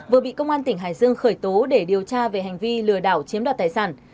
vừa bị công an tỉnh hải dương khởi tố để điều tra về hành vi lừa đảo chiếm đoạt tài sản